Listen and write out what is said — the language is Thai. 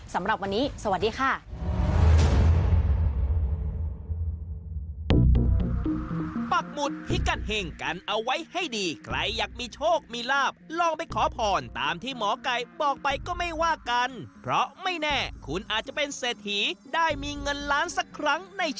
สำหรับวันนี้สวัสดีค่ะ